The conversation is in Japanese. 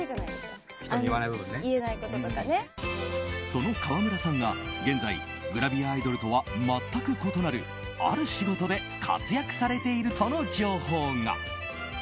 その川村さんが現在グラビアアイドルとは全く異なるある仕事で活躍されているとの情報が。